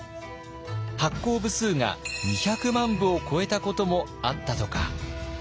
発行部数が２００万部を超えたこともあったとか。